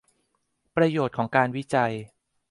ประโยชน์ของการวิจัย